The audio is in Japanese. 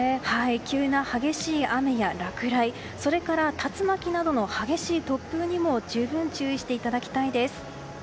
急な激しい雨や落雷それから竜巻などの激しい突風にも十分注意していただきたいです。